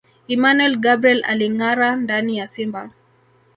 Emmanuel Gabriel Alingâara ndani ya Simba